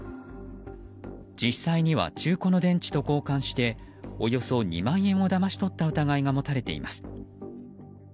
実際には、中古の電池と交換しておよそ２万円をだまし取った疑いが持たれています。